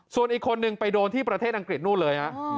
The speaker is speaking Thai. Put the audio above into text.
ส่วนอีกคนนึงไปโดนที่ประเทศอังกฤษนู่นเลยฮะ